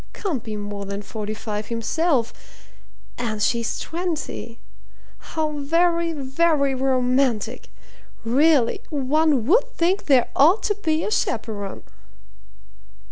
Can't be more than forty five himself, and she's twenty how very, very romantic! Really, one would think there ought to be a chaperon!'"